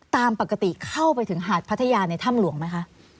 ตามปกติเข้าไปถึงหาดพัทยาในถ้ำหลวงไหมคะ